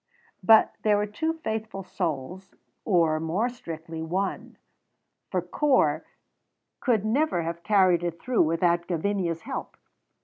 But there were two faithful souls, or, more strictly, one, for Corp could never have carried it through without Gavinia's help.